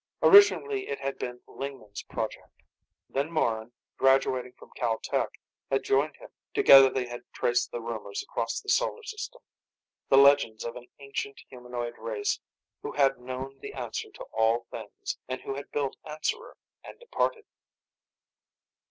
Originally it had been Lingman's project. Then Morran, graduating from Cal Tech, had joined him. Together they had traced the rumors across the solar system. The legends of an ancient humanoid race who had known the answer to all things, and who had built Answerer and departed.